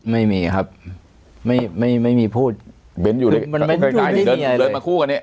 ไม่มีครับไม่มีพูดเหลินมาคู่กันเนี่ย